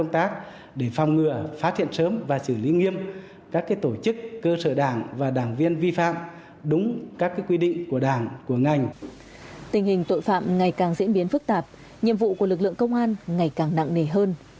tình hình tội phạm ngày càng diễn biến phức tạp nhiệm vụ của lực lượng công an ngày càng nặng nề hơn